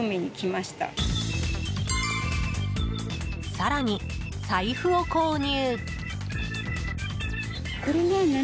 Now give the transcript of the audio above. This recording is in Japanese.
更に、財布を購入。